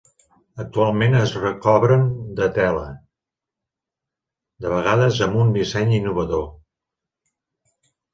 Actualment es recobren de tela, de vegades amb un disseny innovador.